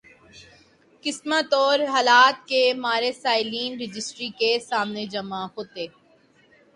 قسمت اور حالات کے مارے سائلین رجسٹری کے سامنے جمع ہوتے۔